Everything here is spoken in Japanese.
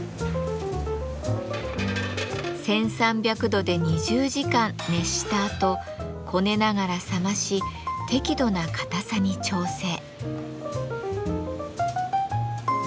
１，３００度で２０時間熱したあとこねながら冷まし適度な硬さに調整。